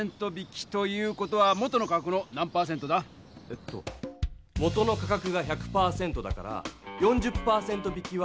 えっと元の価格が１００％だから４０％引きは。